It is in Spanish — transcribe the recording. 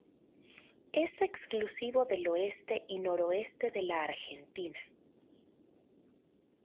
Es exclusivo del oeste y noroeste de la Argentina.